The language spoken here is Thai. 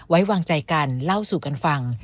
ไว้วางใจกันเล่าสู่กันฟัง